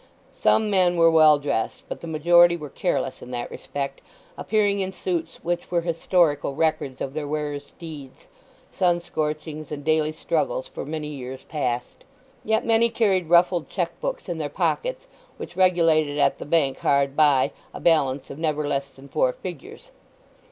Some men were well dressed; but the majority were careless in that respect, appearing in suits which were historical records of their wearer's deeds, sun scorchings, and daily struggles for many years past. Yet many carried ruffled cheque books in their pockets which regulated at the bank hard by a balance of never less than four figures.